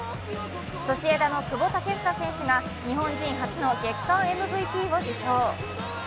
ソシエダの久保建英選手が日本人初の月間ＭＶＰを受賞。